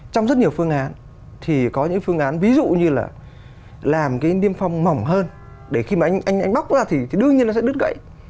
trong rất nhiều phương án thì có những phương án ví dụ như là làm cái niêm phong mỏng hơn để khi mà anh anh bóc ra thì đương nhiên nó sẽ đứt gãy